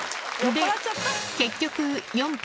で、結局、４分。